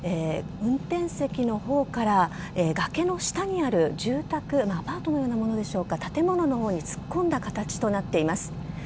運転席の方から崖の下にある住宅アパートのようなものでしょうか建物の方に突っ込んだ形となっています。